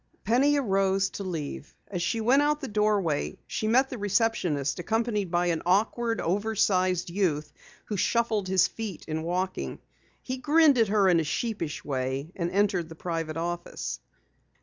Penny arose to leave. As she went out the doorway she met the receptionist, accompanied by an awkward, oversized youth who shuffled his feet in walking. He grinned at her in a sheepish way and entered the private office.